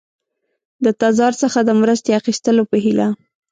د تزار څخه د مرستې اخیستلو په هیله.